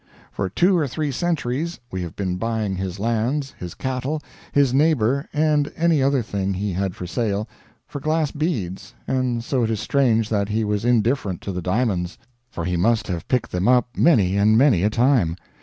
For two or three centuries we have been buying his lands, his cattle, his neighbor, and any other thing he had for sale, for glass beads and so it is strange that he was indifferent to the diamonds for he must have picked them up many and many a time.